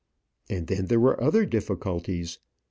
And then there were other difficulties.